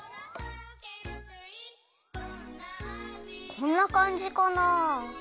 こんなかんじかな？